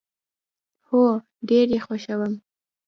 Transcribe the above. هو، ډیر یی خوښوم